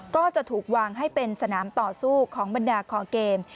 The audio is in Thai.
ก็จะถูกวางให้เป็นสนามต่อสู้ของบรรดาคอเกม